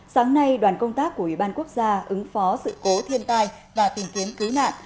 sáng nay đoàn công tác của ủy ban quốc gia ứng phó sự cố thiên tai và tình kiến cứ nạn